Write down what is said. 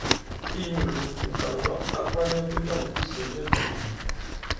Inyū ìlok, ŋ̀kàŋwa a kwanya bilâm bisò nyɛtām mwǎ.